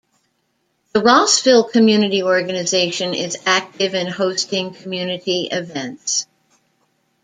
The Rossville Community Organization is active in hosting community events.